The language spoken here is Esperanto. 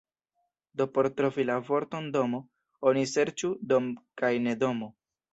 Do por trovi la vorton "domo", oni serĉu "dom" kaj ne "domo".